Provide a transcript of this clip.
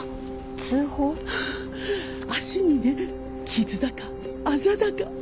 うん脚にね傷だかあざだか。